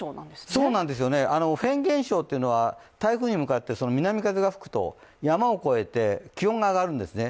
そうなんですよね、フェーン現象というのは台風に向かって南風が吹くと山を越えて、気温が上がるんですね。